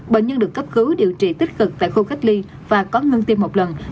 bệnh nhân được cấp cứu điều trị tích cực tại khu cách ly và có ngương tiêm một lần